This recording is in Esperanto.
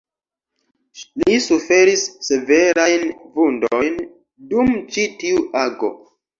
Li suferis severajn vundojn dum ĉi tiu ago.